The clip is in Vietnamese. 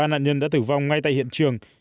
ba nạn nhân đã tử vong ngay tại hiện trường